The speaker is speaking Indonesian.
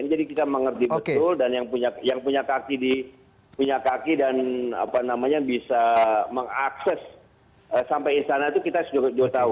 jadi kita mengerti betul dan yang punya kaki dan bisa mengakses sampai istana itu kita sudah tahu